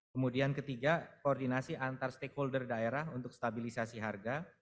kemudian ketiga koordinasi antar stakeholder daerah untuk stabilisasi harga